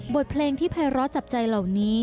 บทเพลงที่ภัยร้อจับใจเหล่านี้